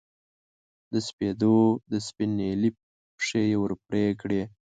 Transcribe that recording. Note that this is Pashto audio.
د سپېدو د سپین نیلي پښې یې ور پرې کړې